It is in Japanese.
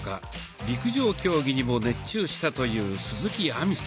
陸上競技にも熱中したという鈴木亜美さん。